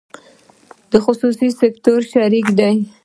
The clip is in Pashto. خصوصي سکتور شریک دی